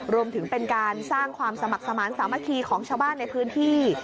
รวมถึงเป็นการสร้างความสมัครสมาธิสามัคคีของชาวบ้านในพื้นที่